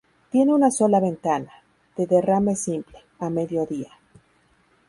Tiene una sola ventana, de derrame simple, a mediodía.